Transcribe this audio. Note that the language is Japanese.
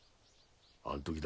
あん時だ